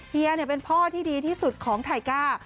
เฮียเป็นพ่อที่ดีที่สุดของไทก้า